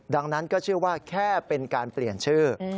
ดังนั้นก็เชื่อว่าแค่เป็นการเปลี่ยนชื่อ